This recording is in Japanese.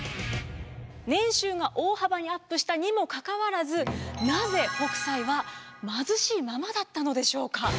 年収が大幅にアップしたにもかかわらずなぜ北斎は貧しいままだったのでしょうか。